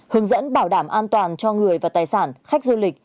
hướng dẫn bảo đảm an toàn cho người và tài sản khách du lịch